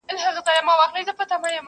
یاره ستا په خوله کي پښتنه ژبه شیرینه ده.